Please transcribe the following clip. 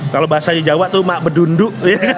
kalau bahasa jawa tuh mak berdunduk